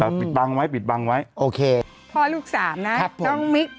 แต่ปิดบังไว้ปิดบังไว้โอเคพ่อลูกสามนะครับน้องมิก